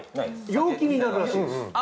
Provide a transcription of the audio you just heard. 陽気になるらしいんです。